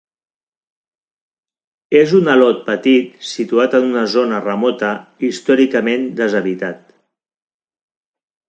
És un atol petit situat en una zona remota i històricament deshabitat.